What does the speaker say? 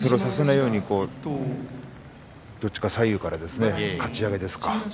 でも高安はそれをさせないようにどっちか左右からかち上げですか。